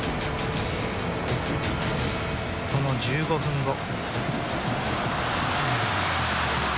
その１５分後。